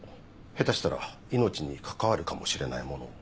下手したら命に関わるかもしれないものを。